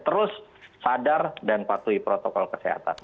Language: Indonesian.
terus sadar dan patuhi protokol kesehatan